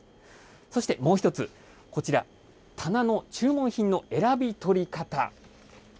そしてもう１つ、こちら、棚の注文品の選び取り方。